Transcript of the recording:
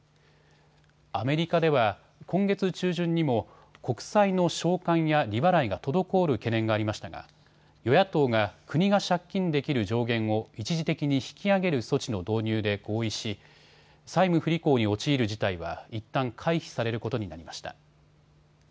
アメリカでは今月中旬にも国債の償還や利払いが滞る懸念がありましたが与野党が、国が借金できる上限を一時的に引き上げる措置の導入で合意し債務不履行に陥る事態はいったん回避されることになりました。